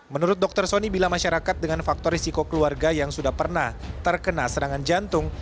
menurut dokter soni bila masyarakat dengan faktor risiko keluarga yang sudah pernah terkena serangan jantung